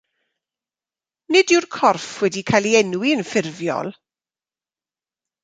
Nid yw'r corff wedi cael ei enwi yn ffurfiol.